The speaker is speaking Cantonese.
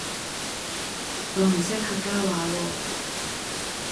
我唔識客家話喎